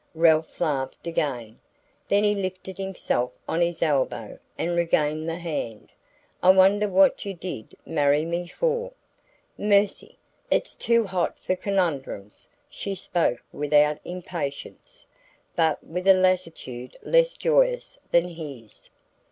Ralph laughed again; then he lifted himself on his elbow and regained the hand. "I wonder what you DID marry me for?" "Mercy! It's too hot for conundrums." She spoke without impatience, but with a lassitude less joyous than his.